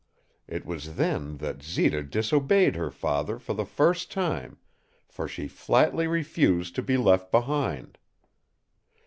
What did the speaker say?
It was then that Zita disobeyed her father for the first time, for she flatly refused to be left behind.